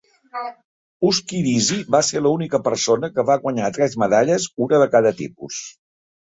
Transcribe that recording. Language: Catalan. Uschi Disl va ser l'única persona que va guanyar tres medalles, una de cada tipus.